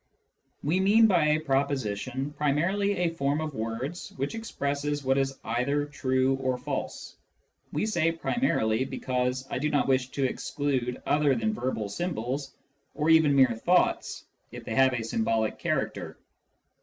We mean by a " proposition " primarily a form of words which expresses what is either true or false. I say " primarily," because I do not wish to exclude other than verbal symbols, or even mere thoughts if they have a symbolic character.